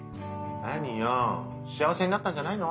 何よ幸せになったんじゃないの？